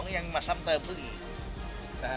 ๒ยังมาซ้ำเติมฟื้ออีก